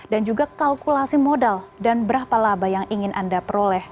dan juga kalkulasi modal dan berapa laba yang ingin anda peroleh